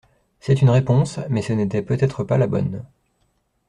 C’est une réponse, mais ce n’était peut-être pas la bonne!